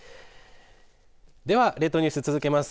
では、列島ニュース、続けます。